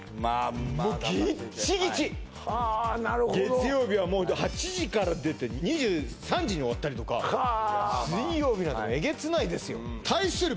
もうギッチギチはあなるほど月曜日はもう８時から出て２３時に終わったりとか水曜日なんてえげつないですよ対する